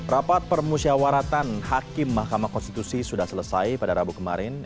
rapat permusyawaratan hakim mahkamah konstitusi sudah selesai pada rabu kemarin